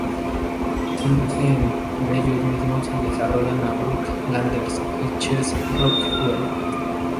Basándose en ellos mismos, desarrollan a Brock Landers y Chest Rockwell.